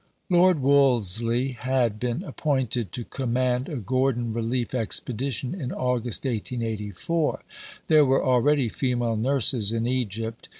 VIII Lord Wolseley had been appointed to command a Gordon Relief Expedition in August 1884. There were already female nurses in Egypt.